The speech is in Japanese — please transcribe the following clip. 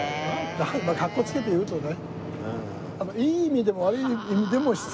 かっこつけて言うとね。